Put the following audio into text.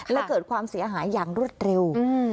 และเกิดความเสียหายอย่างรวดเร็ว